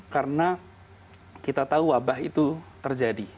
karena kita tahu wabah itu terjadi